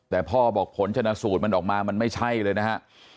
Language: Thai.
แต่พ่อบอกผลชนะสูตรมันออกมามันไม่ใช่เลยนะฮะ